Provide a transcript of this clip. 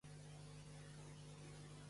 En el temps de dir un credo.